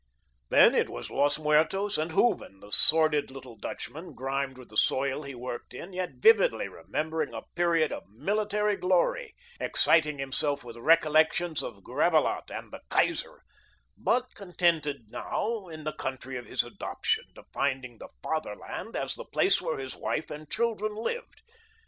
Then it was Los Muertos and Hooven, the sordid little Dutchman, grimed with the soil he worked in, yet vividly remembering a period of military glory, exciting himself with recollections of Gravelotte and the Kaiser, but contented now in the country of his adoption, defining the Fatherland as the place where wife and children lived.